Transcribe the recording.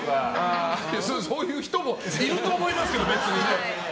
そういう人もいると思いますけど別にね。